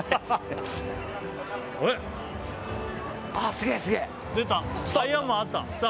すげえ、すげえ。